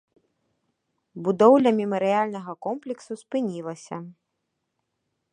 Будоўля мемарыяльнага комплексу спынілася.